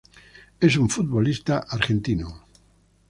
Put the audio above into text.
Es un futbolista argentino.